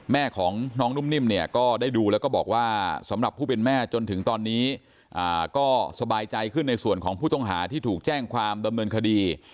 แม่ของน้องนุ่มนิ่มเนี่ยก็ได้ดูแล้วก็บอกว่าสำหรับผู้เป็นแม่จนถึงตอนนี้ก็สบายใจขึ้นในส่วนของผู้ต้องหาที่ถูกแจ้งความดำเนินคดี